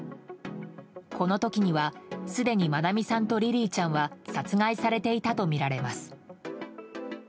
この時にはすでに愛美さんとリリィちゃんは殺害されていたとみられます。